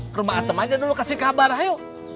ke rumah atem aja dulu kasih kabar ayo